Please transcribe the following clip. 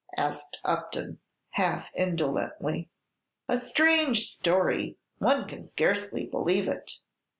asked Upton, half indolently. "A strange story; one can scarcely believe it.